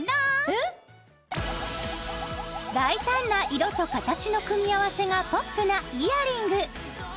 えっ⁉大胆な色と形の組み合わせがポップなイヤリング。